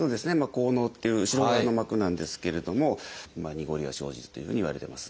後嚢っていう後ろ側の膜なんですけれどもにごりは生じるというふうにいわれてます。